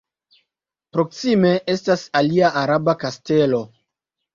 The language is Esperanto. Proksime estas alia araba kastelo.